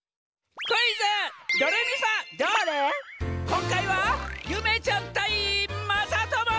こんかいはゆめちゃんたいまさとも！